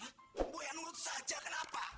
saya menurut saja kenapa